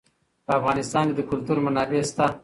په افغانستان کې د کلتور منابع شته.